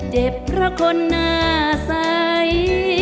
เจ็บเพราะคนหน้าใส